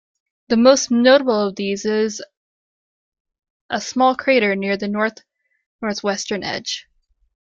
The most notable of these is a small crater near the north-northwestern edge.